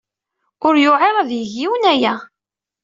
Ur yewɛiṛ ad yeg yiwen aya.